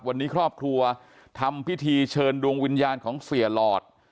วันนี้ครอบครัวทำพิธีเชิญดวงวิญญาณของเสียหลอด